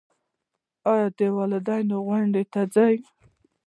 ایا د والدینو غونډې ته ځئ؟